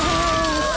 うわ！